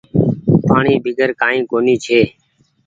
پآڻيٚ بيگر ڪآئي ڪونيٚ ڇي۔